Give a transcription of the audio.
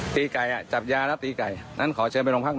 ตีไก่อ่ะจับยาแล้วตีไก่นั้นขอเชิญไปโรงพักหน่อย